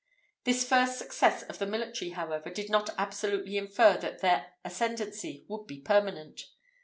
This first success of the military, however, did not absolutely infer that their ascendency would be permanent.